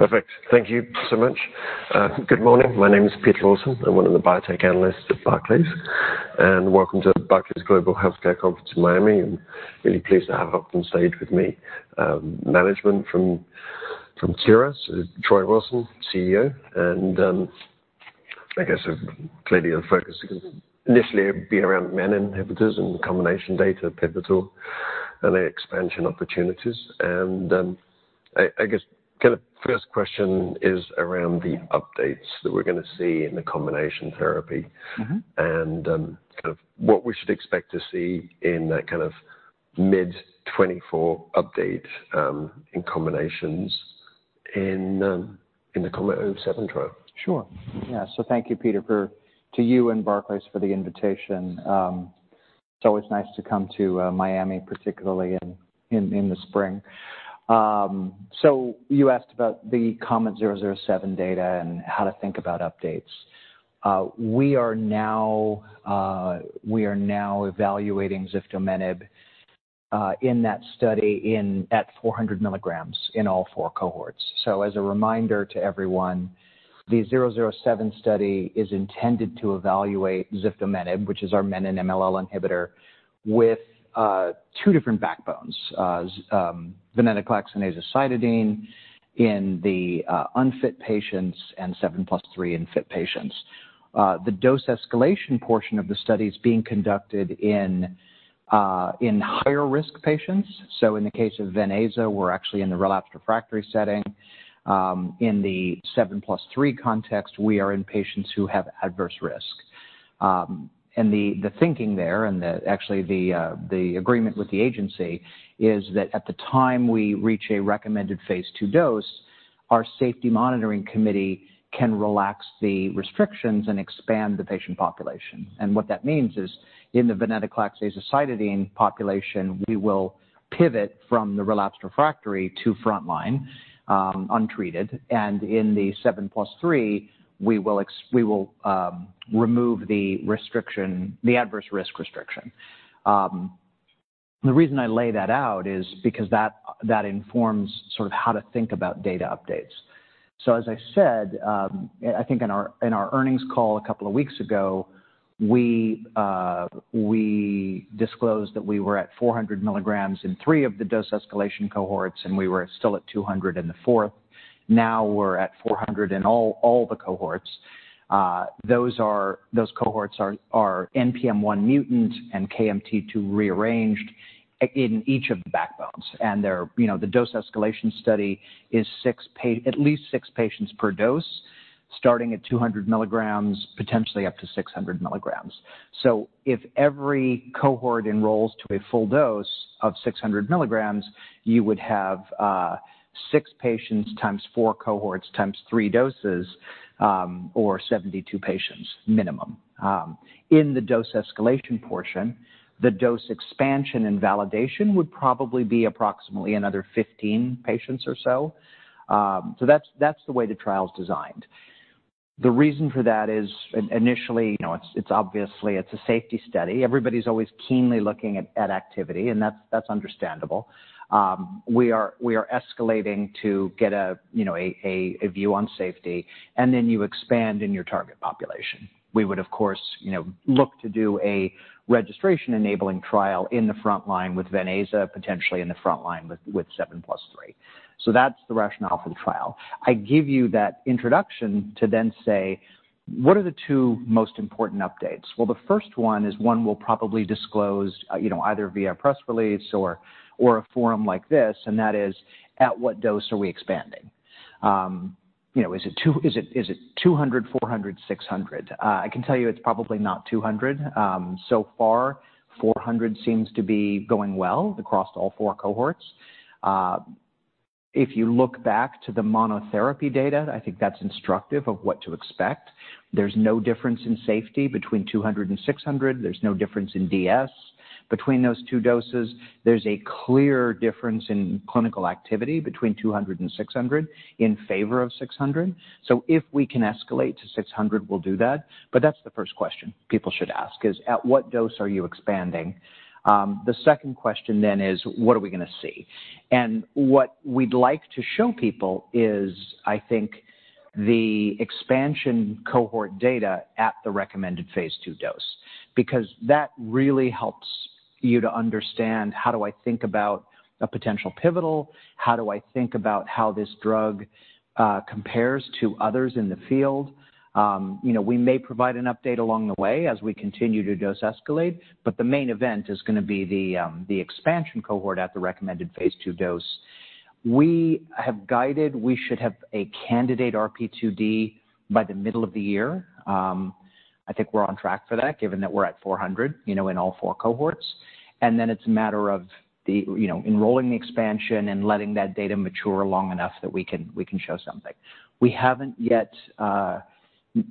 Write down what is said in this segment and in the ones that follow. Perfect. Thank you so much. Good morning. My name's Pete Lawson. I'm one of the biotech analysts at Barclays. Welcome to Barclays Global Healthcare Conference in Miami. I'm really pleased to have up on stage with me management from Kura, so Troy Wilson, CEO. I guess clearly the focus is gonna initially be around menin inhibitors and combination data, pivotal, and their expansion opportunities. I guess kind of first question is around the updates that we're gonna see in the combination therapy. Mm-hmm. Kind of what we should expect to see in that kind of mid-2024 update, in combinations in the combination 07 trial. Sure. Yeah. So thank you, Peter, and to you and Barclays for the invitation. It's always nice to come to Miami, particularly in the spring. So you asked about the KOMET-007 data and how to think about updates. We are now evaluating ziftomenib in that study at 400 mg in all four cohorts. So as a reminder to everyone, the KOMET-007 study is intended to evaluate ziftomenib, which is our menin-MLL inhibitor, with two different backbones, venetoclax and azacitidine in the unfit patients and 7+3 in fit patients. The dose escalation portion of the study is being conducted in higher-risk patients. So in the case of venetoclax/azacitidine, we're actually in the relapse refractory setting. In the 7+3 context, we are in patients who have adverse risk. and the thinking there and actually the agreement with the agency is that at the time we reach a recommended phase II dose, our safety monitoring committee can relax the restrictions and expand the patient population. And what that means is in the venetoclax-azacitidine population, we will pivot from the relapse refractory to frontline, untreated. And in the 7+3, we will remove the adverse risk restriction. The reason I lay that out is because that informs sort of how to think about data updates. So as I said, I think in our earnings call a couple of weeks ago, we disclosed that we were at 400 mg in 3 of the dose escalation cohorts, and we were still at 200 mg in the fourth. Now we're at 400 mg in all the cohorts. Those cohorts are NPM1 mutant and KMT2A rearranged in each of the backbones. And they're, you know, the dose escalation study is six patients, at least six patients per dose starting at 200 milligrams, potentially up to 600 milligrams. So if every cohort enrolls to a full dose of 600 milligrams, you would have six patients times four cohorts times three doses, or 72 patients minimum in the dose escalation portion. The dose expansion and validation would probably be approximately another 15 patients or so. So that's the way the trial's designed. The reason for that is initially, you know, it's obviously it's a safety study. Everybody's always keenly looking at activity, and that's understandable. We are escalating to get a, you know, a view on safety, and then you expand in your target population. We would, of course, you know, look to do a registration-enabling trial in the frontline with venetoclax, potentially in the frontline with, with 7+3. So that's the rationale for the trial. I give you that introduction to then say, "What are the two most important updates?" Well, the first one is one we'll probably disclose, you know, either via press release or, or a forum like this, and that is, "At what dose are we expanding?" you know, is it two is it is it 200, 400, 600? I can tell you it's probably not 200. So far, 400 seems to be going well across all four cohorts. If you look back to the monotherapy data, I think that's instructive of what to expect. There's no difference in safety between 200 and 600. There's no difference in DS between those two doses. There's a clear difference in clinical activity between 200 and 600 in favor of 600. So if we can escalate to 600, we'll do that. But that's the first question people should ask, is, "At what dose are you expanding?" The second question then is, "What are we gonna see?" And what we'd like to show people is, I think, the expansion cohort data at the recommended phase II dose because that really helps you to understand, "How do I think about a potential pivotal? How do I think about how this drug compares to others in the field?" You know, we may provide an update along the way as we continue to dose escalate, but the main event is gonna be the expansion cohort at the recommended phase II dose. We have guided we should have a candidate RP2D by the middle of the year. I think we're on track for that given that we're at 400, you know, in all four cohorts. And then it's a matter of the, you know, enrolling the expansion and letting that data mature long enough that we can we can show something. We haven't yet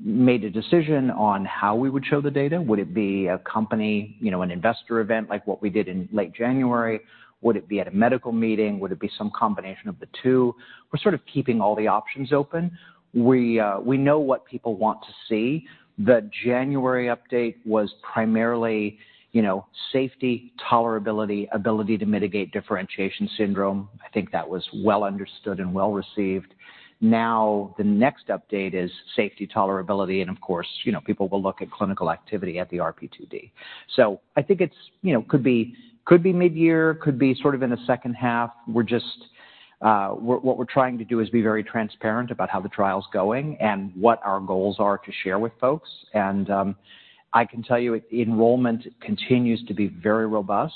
made a decision on how we would show the data. Would it be a company, you know, an investor event like what we did in late January? Would it be at a medical meeting? Would it be some combination of the two? We're sort of keeping all the options open. We, we know what people want to see. The January update was primarily, you know, safety, tolerability, ability to mitigate differentiation syndrome. I think that was well understood and well received. Now the next update is safety, tolerability, and of course, you know, people will look at clinical activity at the RP2D. So I think it's, you know, could be mid-year, could be sort of in the second half. What we're trying to do is be very transparent about how the trial's going and what our goals are to share with folks. And I can tell you enrollment continues to be very robust.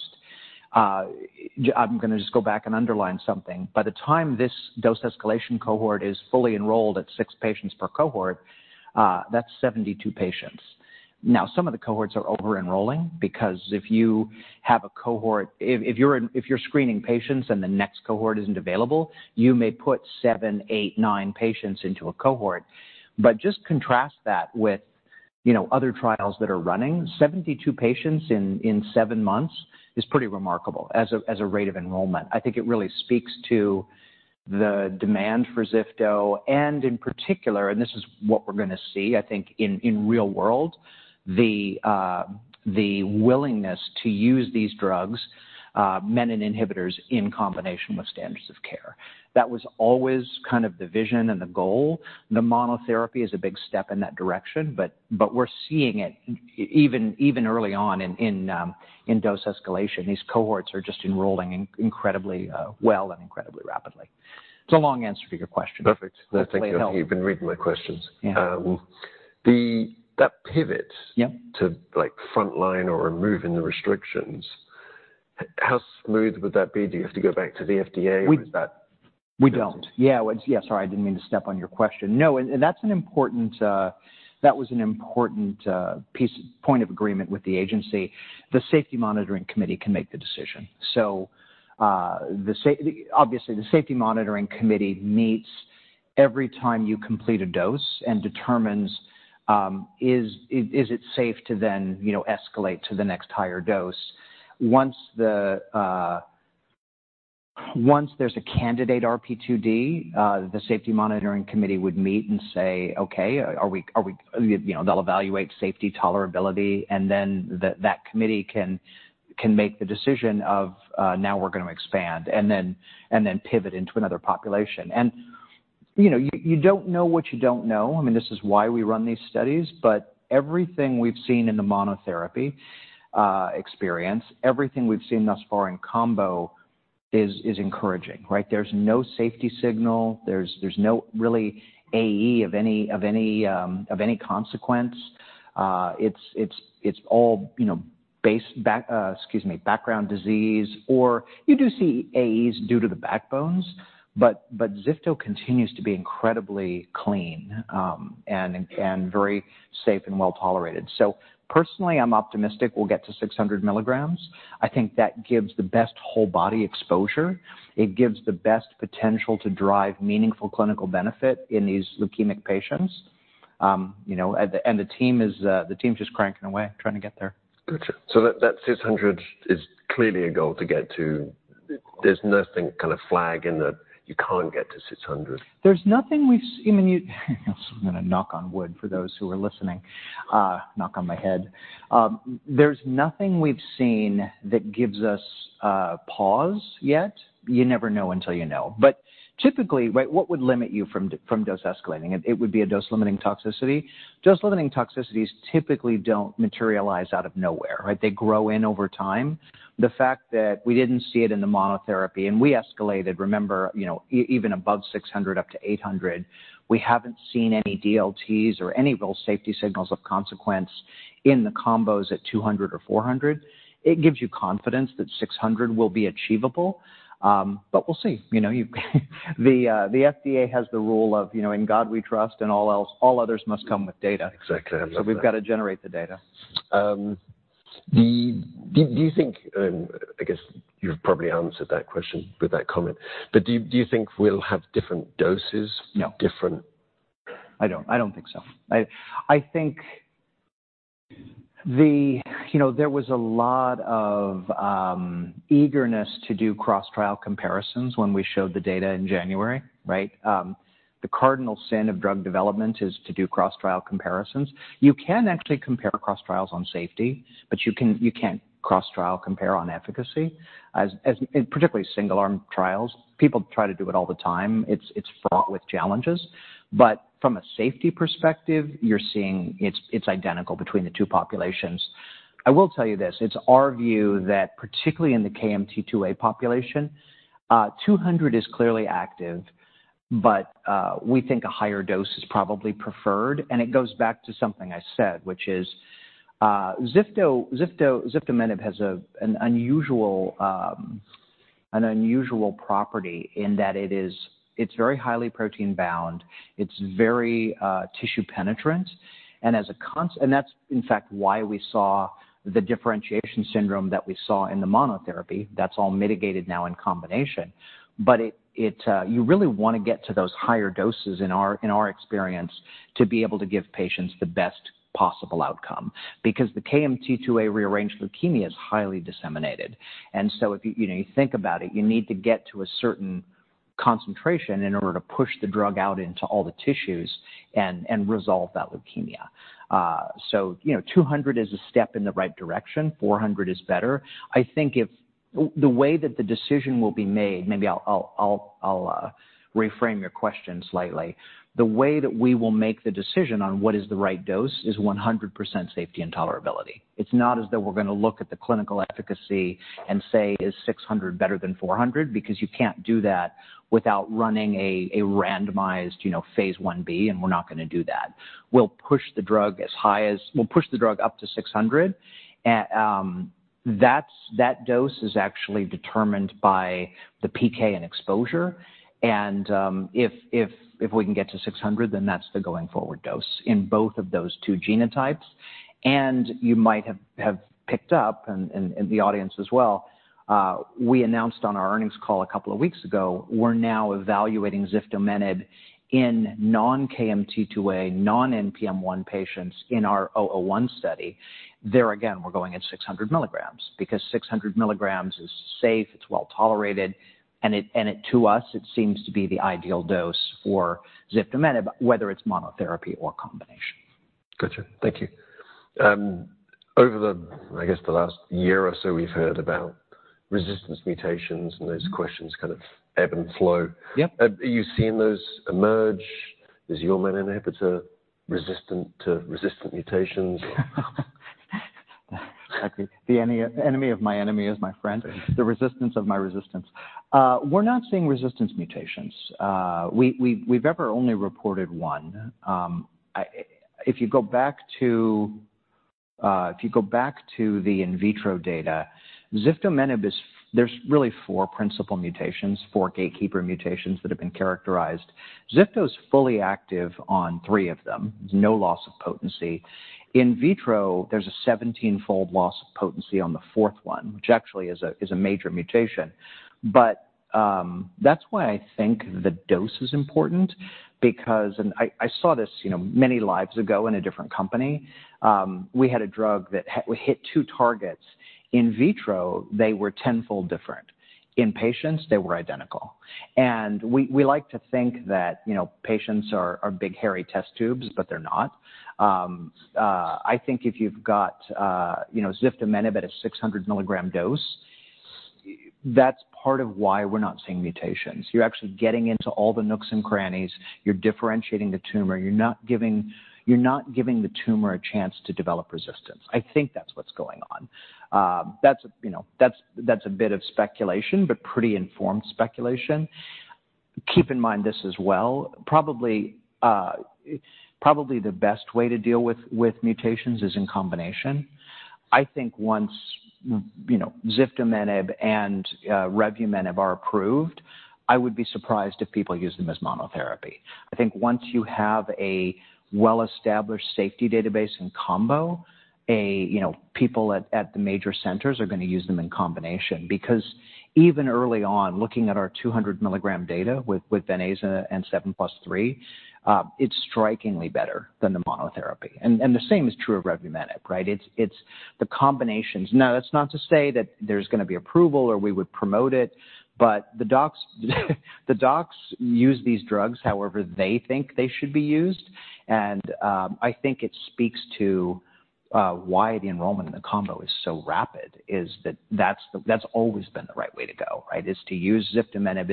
I'm gonna just go back and underline something. By the time this dose escalation cohort is fully enrolled at 6 patients per cohort, that's 72 patients. Now, some of the cohorts are over-enrolling because if you have a cohort, if you're screening patients and the next cohort isn't available, you may put 7, 8, 9 patients into a cohort. But just contrast that with, you know, other trials that are running. 72 patients in 7 months is pretty remarkable as a rate of enrollment. I think it really speaks to the demand for ziftomenib, and in particular—and this is what we're gonna see, I think, in the real world—the willingness to use these drugs, menin inhibitors in combination with standards of care. That was always kind of the vision and the goal. The monotherapy is a big step in that direction, but we're seeing it even early on in dose escalation. These cohorts are just enrolling incredibly well and incredibly rapidly. It's a long answer to your question. Perfect. That's a great help. I think that you've been reading my questions. Yeah. that pivot. Yep. To, like, frontline or remove the restrictions, how smooth would that be? Do you have to go back to the FDA or is that? We don't. Yeah. Well, it's yeah. Sorry. I didn't mean to step on your question. No. And that's an important point of agreement with the agency. The safety monitoring committee can make the decision. So, obviously, the safety monitoring committee meets every time you complete a dose and determines is it safe to then, you know, escalate to the next higher dose. Once there's a candidate RP2D, the safety monitoring committee would meet and say, "Okay. Are we" you know, they'll evaluate safety, tolerability, and then that committee can make the decision of, "Now we're gonna expand," and then pivot into another population. And you don't know what you don't know. I mean, this is why we run these studies. But everything we've seen in the monotherapy experience, everything we've seen thus far in combo is encouraging, right? There's no safety signal. There's no really AE of any consequence. It's all, you know, background disease. Or you do see AEs due to the backbones, but ziftomenib continues to be incredibly clean, and very safe and well tolerated. So personally, I'm optimistic we'll get to 600 milligrams. I think that gives the best whole-body exposure. It gives the best potential to drive meaningful clinical benefit in these leukemic patients. You know, and the team is, the team's just cranking away trying to get there. Gotcha. So that 600 is clearly a goal to get to. There's nothing kind of flag in that you can't get to 600? There's nothing we've seen. I mean, I'm gonna knock on wood for those who are listening. Knock on my head. There's nothing we've seen that gives us pause yet. You never know until you know. But typically, right, what would limit you from dose escalating? It would be a dose-limiting toxicity. Dose-limiting toxicities typically don't materialize out of nowhere, right? They grow in over time. The fact that we didn't see it in the monotherapy, and we escalated, remember, you know, even above 600 up to 800, we haven't seen any DLTs or any real safety signals of consequence in the combos at 200 or 400, it gives you confidence that 600 will be achievable. But we'll see. You know, the FDA has the rule of, you know, "In God we trust, and all others must come with data. Exactly. I'm not sure. We've gotta generate the data. So, do you think and I guess you've probably answered that question with that comment. But do you think we'll have different doses? No. Different? I don't. I don't think so. I, I think the, you know, there was a lot of eagerness to do cross-trial comparisons when we showed the data in January, right? The cardinal sin of drug development is to do cross-trial comparisons. You can actually compare cross-trials on safety, but you can, you can't cross-trial compare on efficacy, as in particularly single-arm trials. People try to do it all the time. It's fraught with challenges. But from a safety perspective, you're seeing it's identical between the two populations. I will tell you this. It's our view that particularly in the KMT2A population, 200 is clearly active, but we think a higher dose is probably preferred. And it goes back to something I said, which is, ziftomenib has an unusual, an unusual property in that it is, it's very highly protein-bound. It's very tissue-penetrant. And that's, in fact, why we saw the differentiation syndrome that we saw in the monotherapy. That's all mitigated now in combination. But it, you really wanna get to those higher doses in our experience to be able to give patients the best possible outcome because the KMT2A rearranged leukemia is highly disseminated. And so if you know, you think about it, you need to get to a certain concentration in order to push the drug out into all the tissues and resolve that leukemia. So, you know, 200 is a step in the right direction. 400 is better. I think the way that the decision will be made. Maybe I'll reframe your question slightly. The way that we will make the decision on what is the right dose is 100% safety and tolerability. It's not as though we're gonna look at the clinical efficacy and say, "Is 600 better than 400?" because you can't do that without running a randomized, you know, phase Ib, and we're not gonna do that. We'll push the drug as high as we'll push the drug up to 600. That's that dose is actually determined by the PK and exposure. And, if we can get to 600, then that's the going forward dose in both of those two genotypes. And you might have picked up and the audience as well, we announced on our earnings call a couple of weeks ago, "We're now evaluating ziftomenib in non-KMT2A, non-NPM1 patients in our 001 study." There again, we're going at 600 milligrams because 600 milligrams is safe. It's well tolerated. To us, it seems to be the ideal dose for ziftomenib, whether it's monotherapy or combination. Gotcha. Thank you. Over the, I guess, last year or so, we've heard about resistance mutations, and those questions kind of ebb and flow. Yep. Are you seeing those emerge? Is your menin inhibitor resistant to resistant mutations? Exactly. The enemy of my enemy is my friend. The resistance of my resistance. We're not seeing resistance mutations. We, we've ever only reported one. If you go back to the in vitro data, ziftomenib, there's really four principal mutations, four gatekeeper mutations that have been characterized. Ziftomenib's fully active on three of them. There's no loss of potency. In vitro, there's a 17-fold loss of potency on the fourth one, which actually is a major mutation. But, that's why I think the dose is important because, and I saw this, you know, many lives ago in a different company. We had a drug that had hit two targets. In vitro, they were tenfold different. In patients, they were identical. We like to think that, you know, patients are, are big hairy test tubes, but they're not. I think if you've got, you know, ziftomenib at a 600-mg dose, that's part of why we're not seeing mutations. You're actually getting into all the nooks and crannies. You're differentiating the tumor. You're not giving you're not giving the tumor a chance to develop resistance. I think that's what's going on. That's a you know, that's, that's a bit of speculation, but pretty informed speculation. Keep in mind this as well. Probably, probably the best way to deal with, with mutations is in combination. I think once, you know, ziftomenib and revumenib are approved, I would be surprised if people use them as monotherapy. I think once you have a well-established safety database in combo, you know, people at the major centers are gonna use them in combination because even early on, looking at our 200-milligram data with venetoclax and 7+3, it's strikingly better than the monotherapy. And the same is true of revumenib, right? It's the combinations. Now, that's not to say that there's gonna be approval or we would promote it, but the docs use these drugs however they think they should be used. And I think it speaks to why the enrollment in the combo is so rapid is that that's always been the right way to go, right, is to use ziftomenib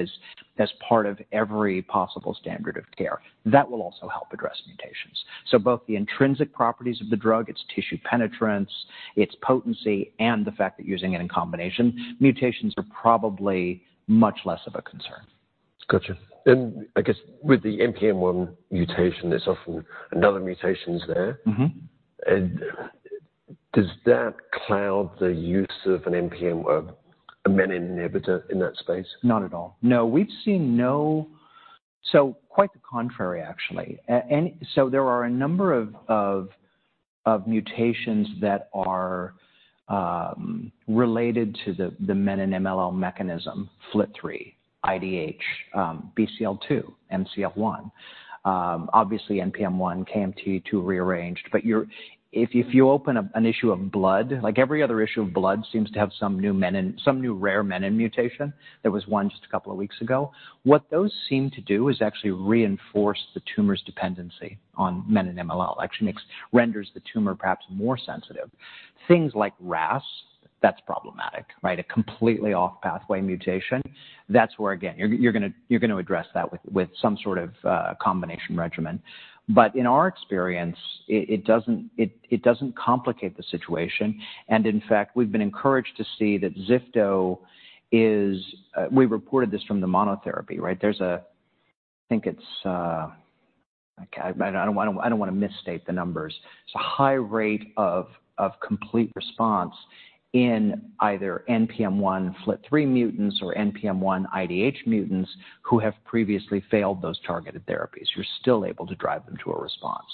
as part of every possible standard of care. That will also help address mutations. Both the intrinsic properties of the drug, its tissue penetrance, its potency, and the fact that using it in combination, mutations are probably much less of a concern. Gotcha. I guess with the NPM1 mutation, there's often another mutation there. Mm-hmm. Does that cloud the use of an NPM or a menin inhibitor in that space? Not at all. No. We've seen no, so quite the contrary, actually. Any, so there are a number of mutations that are related to the menin-MLL mechanism, FLT3, IDH, BCL2, MCL1. Obviously, NPM1, KMT2A rearranged. But if you open an issue of Blood, like, every other issue of Blood seems to have some new menin, some new rare menin mutation. There was one just a couple of weeks ago. What those seem to do is actually reinforce the tumor's dependency on menin-MLL. It actually renders the tumor perhaps more sensitive. Things like RAS, that's problematic, right, a completely off-pathway mutation. That's where, again, you're gonna address that with some sort of combination regimen. But in our experience, it doesn't complicate the situation. And in fact, we've been encouraged to see that ziftomenib is. We reported this from the monotherapy, right? There's, I think it's okay. I don't wanna misstate the numbers. It's a high rate of complete response in either NPM1 FLT3 mutants or NPM1 IDH mutants who have previously failed those targeted therapies. You're still able to drive them to a response.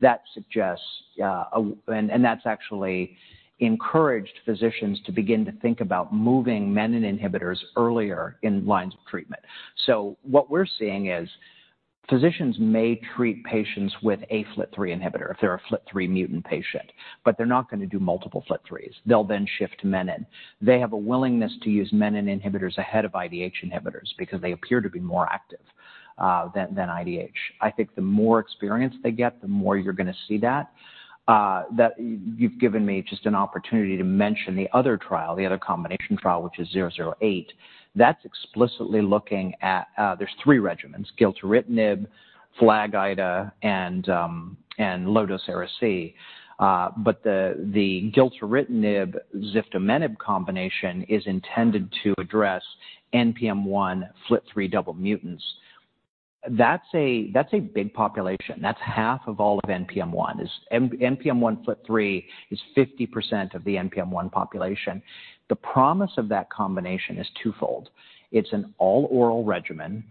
That suggests, and that's actually encouraged physicians to begin to think about moving menin inhibitors earlier in lines of treatment. So what we're seeing is physicians may treat patients with a FLT3 inhibitor if they're a FLT3 mutant patient, but they're not gonna do multiple FLT3s. They'll then shift to menin. They have a willingness to use menin inhibitors ahead of IDH inhibitors because they appear to be more active than IDH. I think the more experience they get, the more you're gonna see that. That you've given me just an opportunity to mention the other trial, the other combination trial, which is 008. That's explicitly looking at, there's three regimens: gilteritinib, FLAG-Ida, and low-dose Ara-C. But the gilteritinib-ziftomenib combination is intended to address NPM1 FLT3 double mutants. That's a that's a big population. That's half of all of NPM1. It's NPM1 FLT3 is 50% of the NPM1 population. The promise of that combination is twofold. It's an all-oral regimen,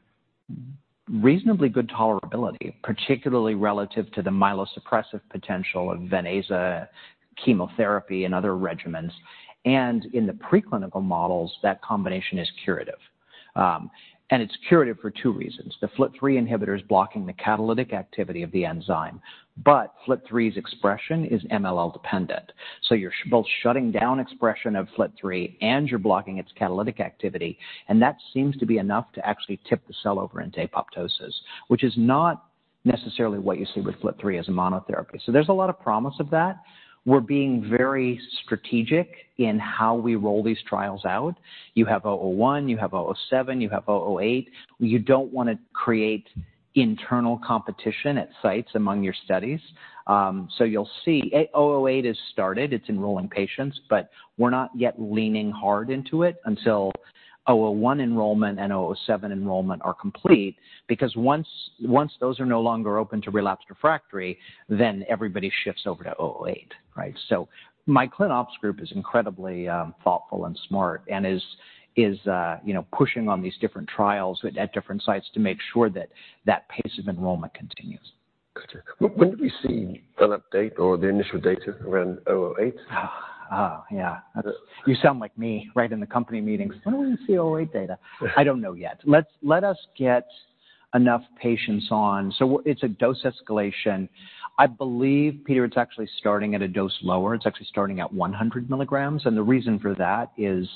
reasonably good tolerability, particularly relative to the myelosuppressive potential of venetoclax chemotherapy and other regimens. And in the preclinical models, that combination is curative. And it's curative for two reasons. The FLT3 inhibitor is blocking the catalytic activity of the enzyme, but FLT3's expression is MLL-dependent. So you're both shutting down expression of FLT3 and you're blocking its catalytic activity. And that seems to be enough to actually tip the cell over into apoptosis, which is not necessarily what you see with FLT3 as a monotherapy. So there's a lot of promise of that. We're being very strategic in how we roll these trials out. You have 001. You have 007. You have 008. You don't wanna create internal competition at sites among your studies. So you'll see 008 has started. It's enrolling patients, but we're not yet leaning hard into it until 001 enrollment and 007 enrollment are complete because once, once those are no longer open to relapse refractory, then everybody shifts over to 008, right? My clin-ops group is incredibly thoughtful and smart and is you know pushing on these different trials at different sites to make sure that pace of enrollment continues. Gotcha. When have we seen an update or the initial data around 008? Oh, yeah. You sound like me right in the company meetings. When will you see 008 data? I don't know yet. Let's get enough patients on so it's a dose escalation. I believe, Peter, it's actually starting at a dose lower. It's actually starting at 100 mg. And the reason for that is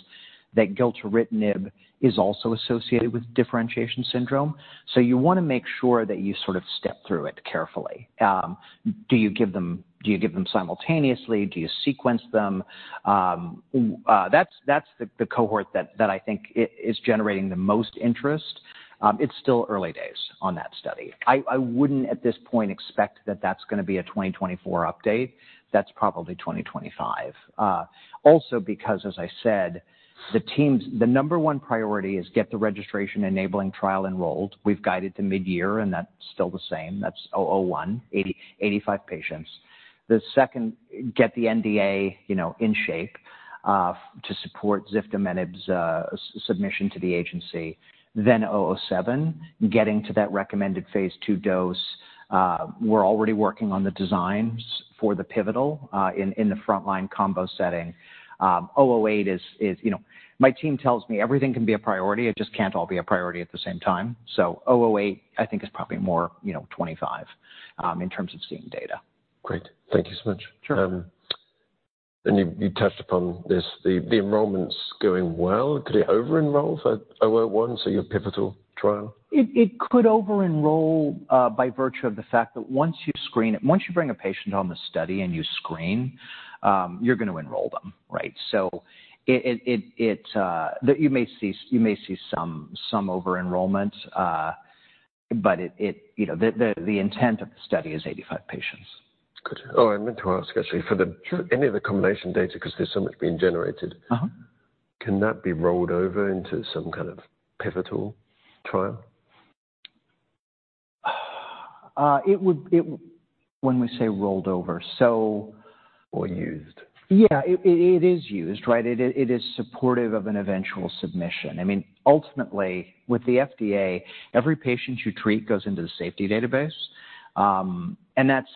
that gilteritinib is also associated with differentiation syndrome. So you wanna make sure that you sort of step through it carefully. Do you give them simultaneously? Do you sequence them? That's the cohort that I think is generating the most interest. It's still early days on that study. I wouldn't, at this point, expect that that's gonna be a 2024 update. That's probably 2025, also because, as I said, the team's number one priority is get the registration-enabling trial enrolled. We've guided to mid-year, and that's still the same. That's 001, 80-85 patients. The second, get the NDA, you know, in shape, to support ziftomenib's submission to the agency. Then 007, getting to that recommended phase II dose. We're already working on the designs for the pivotal, in the frontline combo setting. 008 is, you know, my team tells me everything can be a priority. It just can't all be a priority at the same time. So 008, I think, is probably more, you know, 25, in terms of seeing data. Great. Thank you so much. Sure. you touched upon this. The enrollment's going well. Could it over-enroll for 001, so your pivotal trial? It could over-enroll, by virtue of the fact that once you screen it once you bring a patient on the study and you screen, you're gonna enroll them, right? So, that you may see some over-enrollment, but, you know, the intent of the study is 85 patients. Gotcha. Oh, I meant to ask, actually, for any of the combination data 'cause there's so much being generated. Uh-huh. Can that be rolled over into some kind of pivotal trial? It would when we say rolled over, so. Or used? Yeah. It is used, right? It is supportive of an eventual submission. I mean, ultimately, with the FDA, every patient you treat goes into the safety database. And that's,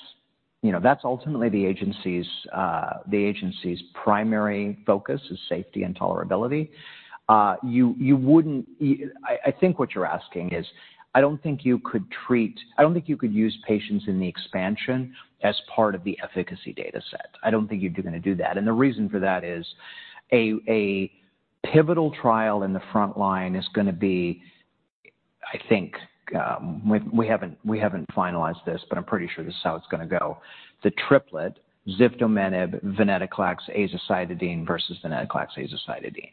you know, that's ultimately the agency's primary focus: safety and tolerability. You wouldn't. I think what you're asking is, I don't think you could use patients in the expansion as part of the efficacy dataset. I don't think you'd be gonna do that. And the reason for that is, a pivotal trial in the frontline is gonna be, I think, we haven't finalized this, but I'm pretty sure this is how it's gonna go, the triplet: ziftomenib, venetoclax, azacitidine versus venetoclax, azacitidine.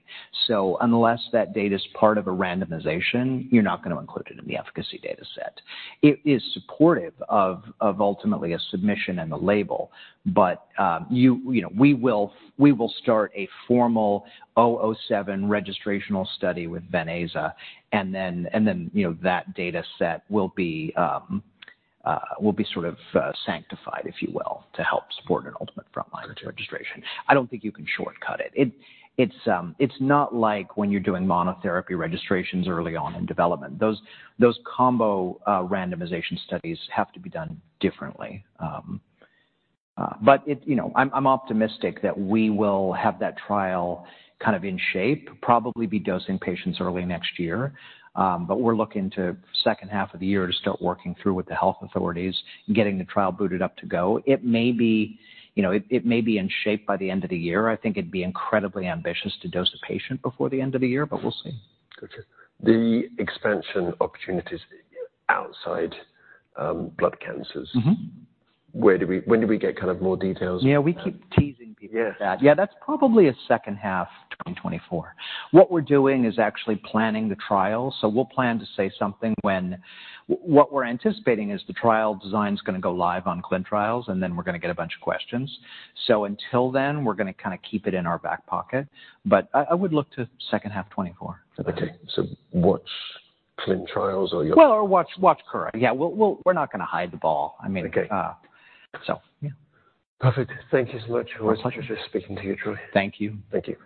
So unless that data's part of a randomization, you're not gonna include it in the efficacy dataset. It is supportive of ultimately a submission and the label, but you know, we will start a formal 007 registrational study with venetoclax. And then, you know, that dataset will be sort of sanctified, if you will, to help support an ultimate frontline registration. I don't think you can shortcut it. It's not like when you're doing monotherapy registrations early on in development. Those combo randomization studies have to be done differently. But you know, I'm optimistic that we will have that trial kind of in shape, probably be dosing patients early next year. But we're looking to second half of the year to start working through with the health authorities, getting the trial booted up to go. It may be you know, it may be in shape by the end of the year. I think it'd be incredibly ambitious to dose a patient before the end of the year, but we'll see. Gotcha. The expansion opportunities outside blood cancers. Mm-hmm. When do we get kind of more details? Yeah. We keep teasing people with that. Yeah. Yeah. That's probably second half 2024. What we're doing is actually planning the trial. So we'll plan to say something when what we're anticipating is the trial design's gonna go live on clinical trials, and then we're gonna get a bunch of questions. So until then, we're gonna kinda keep it in our back pocket. But I would look to second half 2024. Okay. So watch clinical trials or your. Well, or watch Kura yeah. We're not gonna hide the ball. I mean. Okay. So yeah. Perfect. Thank you so much. My pleasure. For speaking to you, Troy. Thank you. Thank you.